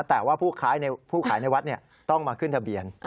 แต่ว่าผู้ขายในวัดต้องมาขึ้นทะเบียน